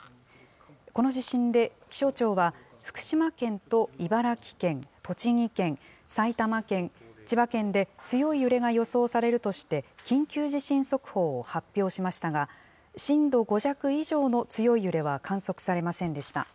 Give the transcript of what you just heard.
この地震で、気象庁は福島県と茨城県、栃木県、埼玉県、千葉県で強い揺れが予想されるとして、緊急地震速報を発表しましたが、震度５弱以上の強い揺れは観測されませんでした。